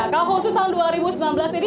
kalau khusus tahun dua ribu sembilan belas ini